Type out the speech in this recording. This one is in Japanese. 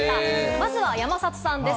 まずは山里さんです。